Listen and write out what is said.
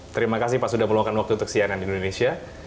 terima kasih pak sudah meluangkan waktu teksianan di indonesia